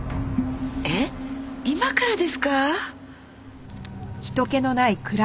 えっ今からですか？